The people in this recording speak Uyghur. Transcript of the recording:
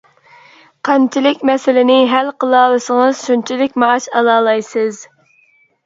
قانچىلىك مەسىلىنى ھەل قىلالىسىڭىز شۇنچىلىك مائاش ئالالايسىز!